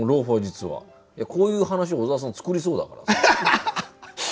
こういう話小沢さん作りそうだからさ。